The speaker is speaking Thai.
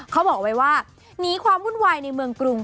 เขาบอกเอาไว้ว่าหนีความวุ่นวายในเมืองกรุง